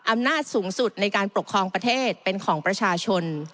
อำนาจสูงสุดในการปกครองประเทศเป็นของประชาชน